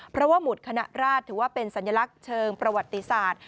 เพราะว่าหมุดคณะราชถือว่าเป็นสัญลักษณ์เชิงประวัติศาสตร์